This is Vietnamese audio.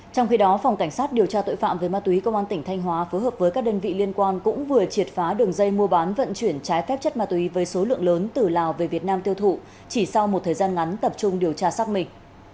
trong khi đó phòng cảnh sát điều tra tội phạm về ma túy công an tỉnh thanh hóa phối hợp với các đơn vị liên quan cũng vừa triệt phá đường dây mua bán vận chuyển trái phép chất ma túy với số lượng lớn từ lào về việt nam tiêu thụ chỉ sau một thời gian ngắn tập trung điều tra xác minh